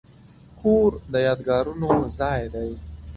کور د یادګارونو ځای دی.